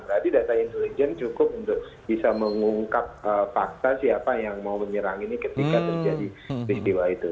berarti data intelijen cukup untuk bisa mengungkap fakta siapa yang mau menyerang ini ketika terjadi peristiwa itu